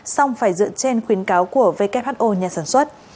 xong phải dựa trên khuyến cáo của who nhà sản xuất